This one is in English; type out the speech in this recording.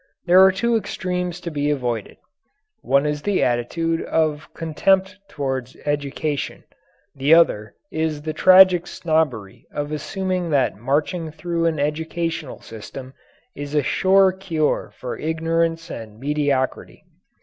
There are two extremes to be avoided: one is the attitude of contempt toward education, the other is the tragic snobbery of assuming that marching through an educational system is a sure cure for ignorance and mediocrity.